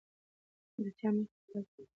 د چا مخې ته لاس مه نیسه.